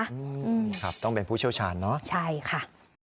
อืมครับต้องเป็นผู้เชี่ยวชาญเนอะใช่ค่ะ